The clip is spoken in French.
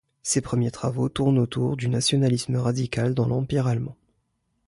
Ses premiers travaux tournent autour du nationalisme radical dans l'Empire allemand.